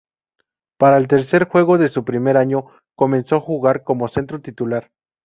Para el tercer juego de su primer año, comenzó a jugar como centro titular.